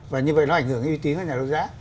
và như vậy nó ảnh hưởng đến uy tín của nhà đấu giá